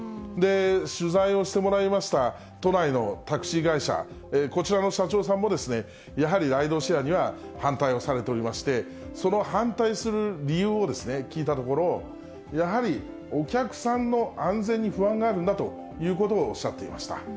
取材をしてもらいました都内のタクシー会社、こちらの社長さんも、やはりライドシェアには反対をされておりまして、その反対する理由を聞いたところ、やはりお客さんの安全に不安があるんだということをおっしゃっていました。